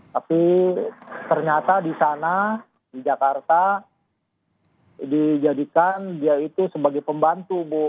tapi ternyata di sana di jakarta dijadikan dia itu sebagai pembantu bu